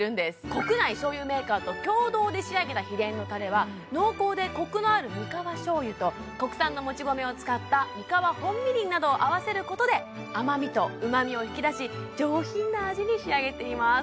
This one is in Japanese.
国内醤油メーカーと共同で仕上げた秘伝のタレは濃厚でコクのある三河醤油と国産のもち米を使った三河本みりんなどを合わせることで甘味とうまみを引き出し上品な味に仕上げています